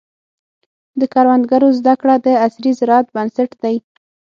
د کروندګرو زده کړه د عصري زراعت بنسټ دی.